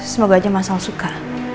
semoga aja mas sal suka